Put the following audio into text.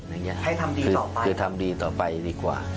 ให้ทำดีต่อไปคือทำดีต่อไปดีกว่า